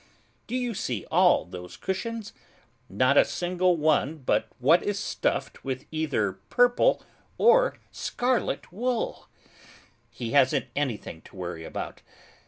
Do you see all those cushions? Not a single one but what is stuffed with either purple or scarlet wool! He hasn't anything to worry about!